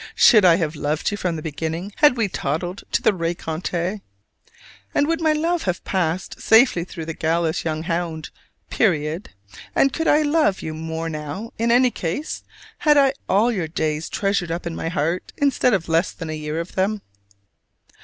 Should I have loved you from the beginning had we toddled to the rencounter; and would my love have passed safely through the "gallous young hound" period; and could I love you more now in any case, had I all your days treasured up in my heart, instead of less than a year of them?